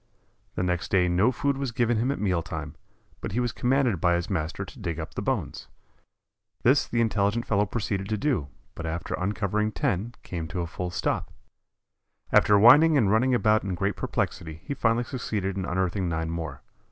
The next day no food was given him at meal time, but he was commanded by his master to dig up the bones. This the intelligent fellow proceeded to do, but after uncovering ten came to a full stop. After whining and running about in great perplexity he finally succeeded in unearthing nine more.